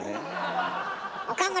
岡村